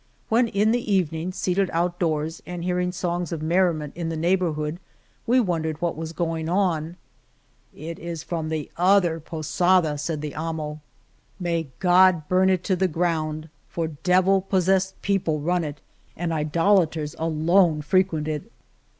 When in the evening, seated outdoors and hearing songs of merriment in the neighborhood, we wondered what was going on, It is from the other posada," said the amo, May 163 Maria. El Toboso God burn it to the ground, for devil pos sessed people run it and idolaters alone fre quent it."